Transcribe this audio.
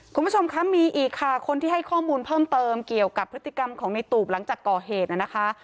คุณผู้ชมคะมีอีกค่ะคนที่ให้ข้อมูลเพิ่มเติมเกี่ยวกับพฤติกรรมของในตูบหลังจากก่อเหตุนะคะ